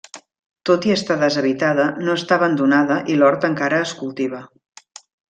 Tot i estar deshabitada no està abandonada i l'hort encara es cultiva.